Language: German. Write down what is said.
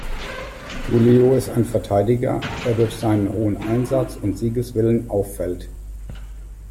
Tulio ist ein Verteidiger, der durch seinen hohen Einsatz und Siegeswillen auffällt.